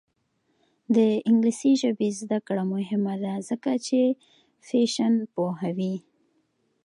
د انګلیسي ژبې زده کړه مهمه ده ځکه چې فیشن پوهوي.